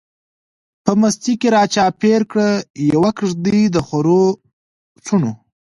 په مستۍ کی را چار پیر کړه، یوه کیږدۍ دخورو څڼو